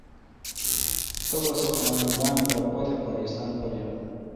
تبا سو قانون دان با پوتھ پاکستان پر یال۔